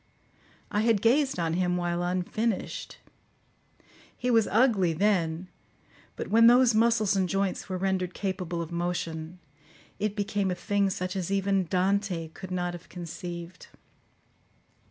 I had gazed on him while unfinished; he was ugly then, but when those muscles and joints were rendered capable of motion, it became a thing such as even Dante could not have conceived.